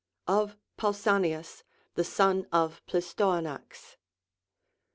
Of Pausanias the Son of Plistoanax.